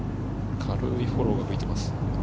軽いフォローがついています。